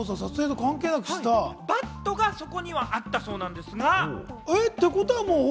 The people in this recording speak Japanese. バットがそこにはあったんですが。